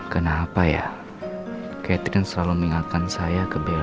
kenapa ya catherine selalu mengingatkan saya ke bella